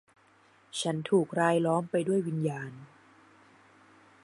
ฉันถูกรายล้อมไปด้วยวิญญาณ